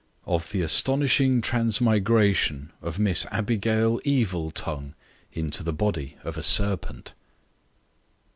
Of the astonishing Transmigration of Miss ABIGAIL EVILTONGUE _into the Body of a Serpent.